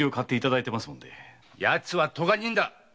ヤツは咎人だ。